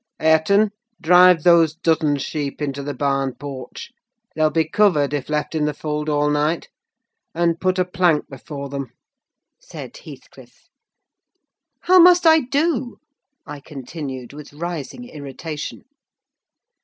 "Hareton, drive those dozen sheep into the barn porch. They'll be covered if left in the fold all night: and put a plank before them," said Heathcliff. "How must I do?" I continued, with rising irritation.